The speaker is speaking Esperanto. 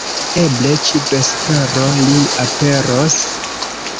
Eble ĉi-vespero li aperos